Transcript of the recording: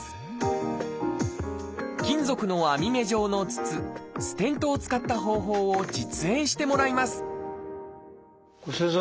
金属の網目状の筒「ステント」を使った方法を実演してもらいます先生